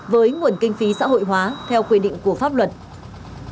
với nguồn kinh phí xã hội hóa theo quy định của pháp luật